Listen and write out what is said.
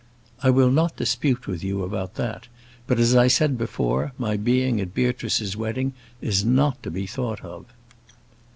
"I will not dispute with you about that; but, as I said before, my being at Beatrice's wedding is not to be thought of."